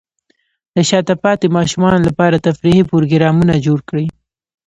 د شاته پاتې ماشومانو لپاره تفریحي پروګرامونه جوړ کړئ.